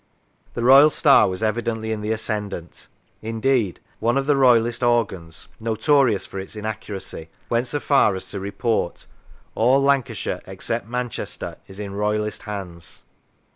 The Royal star was evidently in the ascendant; indeed, one of the Royalist organs, notorious for its inaccuracy, went so far as to report " all Lan cashire except Manchester is in Royalist hands."